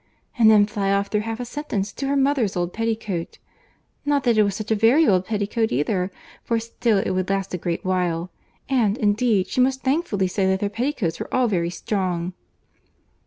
And then fly off, through half a sentence, to her mother's old petticoat. 'Not that it was such a very old petticoat either—for still it would last a great while—and, indeed, she must thankfully say that their petticoats were all very strong.